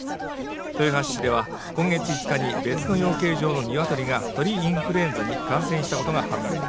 豊橋市では今月５日に別の養鶏場のニワトリが鳥インフルエンザに感染したことが判明